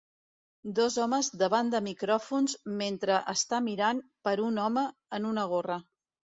Dos homes davant de micròfons mentre està mirant per un home en una gorra